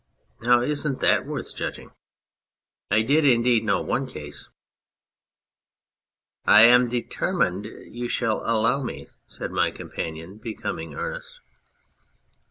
Now, isn't that worth judging? I did indeed know one case ..."" I am determined you shall allow me," said my companion, becoming earnest.